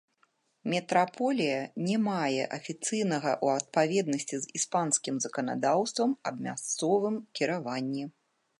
Метраполія не мае афіцыйнага ў адпаведнасці з іспанскім заканадаўствам аб мясцовым кіраванні.